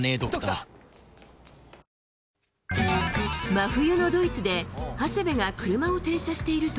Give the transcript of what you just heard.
真冬のドイツで長谷部が車を停車していると